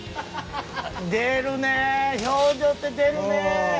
出るね表情って出るね！